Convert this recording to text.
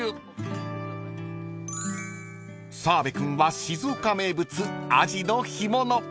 ［澤部君は静岡名物あじの干物］